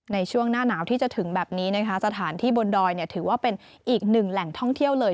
ในช่วงหน้าหนาวที่จะถึงแบบนี้นะคะสถานที่บนดอยถือว่าเป็นอีกหนึ่งแหล่งท่องเที่ยวเลย